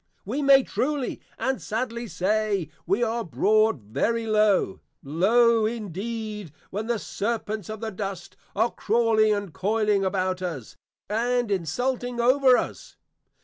We may truly and sadly say, We are brought very low! Low indeed, when the Serpents of the dust, are crawling and coyling about us, and Insulting over us.